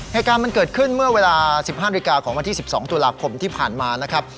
เหตุการณ์มันเกิดขึ้นเมื่อเวลา๑๕นาฬิกาของวันที่๑๒ตุลาคมที่ผ่านมานะครับ